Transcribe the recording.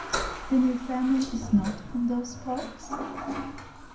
"Then your family is not from those parts?"